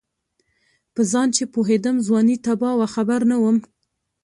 په ځان چې پوهېدم ځواني تباه وه خبر نه وم